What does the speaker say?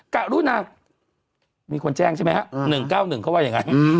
กะรุนามีคนแจ้งใช่ไหมฮะ๑๙๑เขาว่าอย่างนั้น